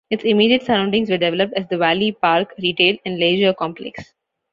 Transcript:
Its immediate surroundings were developed as the Valley Park Retail and Leisure Complex.